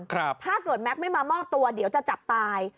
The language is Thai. ถ้าเกิดแม็กซ์ไม่มามอบตัวเดี๋ยวจะจับตาย